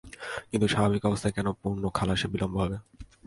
কিন্তু স্বাভাবিক অবস্থায় কেন পণ্য খালাসে বিলম্ব হবে?